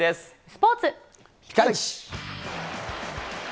スポーツ。